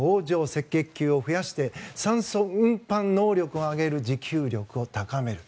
赤血球を増やして酸素運搬能力を上げる持久力を高める。